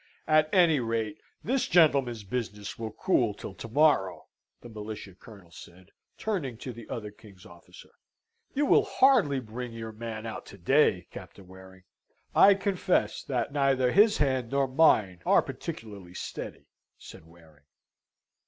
"At any rate, this gentleman's business will keep cool till to morrow," the militia Colonel said, turning to the other king's officer. "You will hardly bring your man out to day, Captain Waring?" "I confess that neither his hand nor mine are particularly steady," said Waring.